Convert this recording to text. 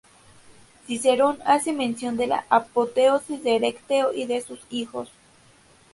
Cicerón hace mención de la apoteosis de Erecteo y de sus hijos.